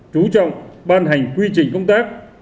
chú trọng ban hành quy trình công tác